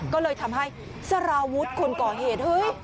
ก็เลยทำให้สราวุธคนก่อเหตุ